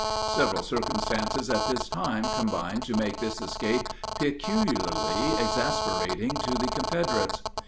Several circumstances at this time combined to make this escape peculiarly exasperating to the Confederates.